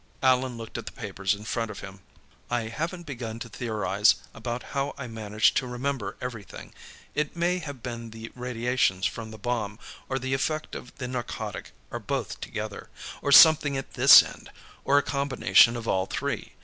Allan looked at the papers in front of him. "I haven't begun to theorize about how I managed to remember everything. It may have been the radiations from the bomb, or the effect of the narcotic, or both together, or something at this end, or a combination of all three.